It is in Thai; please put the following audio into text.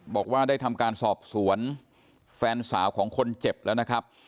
บอกว่าได้ทำการสอบสวนแฟนสาวของคนเจ็บแล้วนะครับ